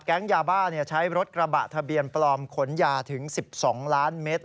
ยาบ้าใช้รถกระบะทะเบียนปลอมขนยาถึง๑๒ล้านเมตร